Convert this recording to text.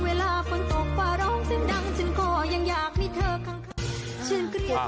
เวลาฟังตกฝ่าร้องเส้นดังฉันก็ยังอยากมีเธอข้างข้าง